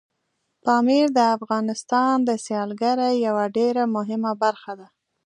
پامیر د افغانستان د سیلګرۍ یوه ډېره مهمه برخه ده.